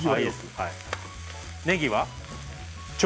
ねぎは？